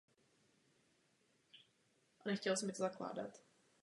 Nápadným znakem dsungariptera byl jeho nahoru zahnutý konec čelistí a výrazné zuby.